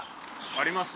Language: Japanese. あります？